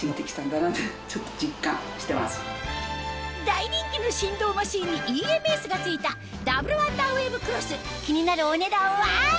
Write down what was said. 大人気の振動マシンにＥＭＳがついたダブルワンダーウェーブクロス気になるお値段は？え！